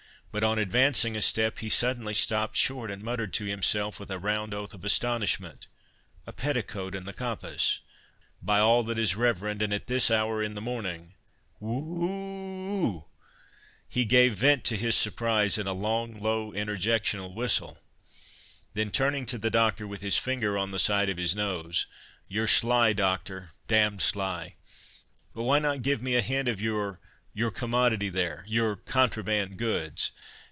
But on advancing a step, he suddenly stopped short, and muttered to himself, with a round oath of astonishment, "A petticoat in the coppice, by all that is reverend, and at this hour in the morning— Whew—ew—ew!"—He gave vent to his surprise in a long low interjectional whistle; then turning to the Doctor, with his finger on the side of his nose, "You're sly, Doctor, d—d sly! But why not give me a hint of your—your commodity there—your contraband goods?